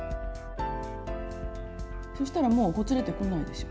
そしたらもうほつれてこないでしょ。